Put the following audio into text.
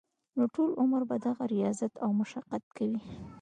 نو ټول عمر به دغه رياضت او مشقت کوي -